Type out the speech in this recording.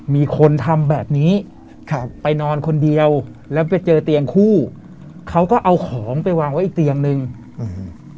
มีคนทำแบบนี้ครับไปนอนคนเดียวแล้วไปเจอเตียงคู่เขาก็เอาของไปวางไว้อีกเตียงหนึ่งอืม